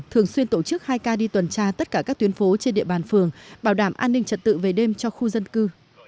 thường xuyên tổ chức hai k đi tuần tra tất cả các tuyến phố trên địa bàn phường bảo đảm an ninh trật tự về đêm cho khu dân cư